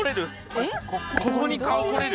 ここに顔これる？